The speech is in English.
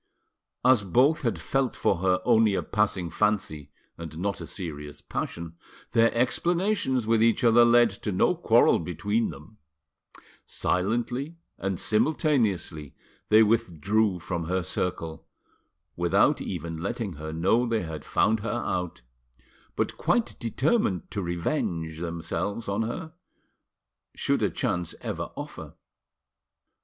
As both had felt for her only a passing fancy and not a serious passion, their explanations with each other led to no quarrel between them; silently and simultaneously they withdrew from her circle, without even letting her know they had found her out, but quite determined to revenge, themselves on her should a chance ever offer.